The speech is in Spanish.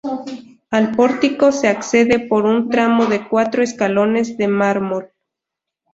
Al pórtico se accede por un tramo de cuatro escalones de mármol.